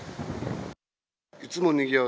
いつもにぎわう